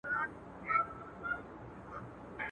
پخوا به مړانه په سيالي وه، اوس سپيتانه په سيالي ده.